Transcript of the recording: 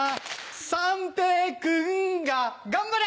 三平君が頑張れ！